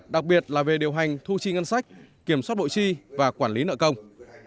đặc biệt là về điều hành thu chi ngân sách kiểm soát bộ chi và quản lý nợ công